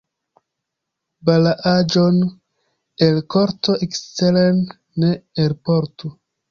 Balaaĵon el korto eksteren ne elportu.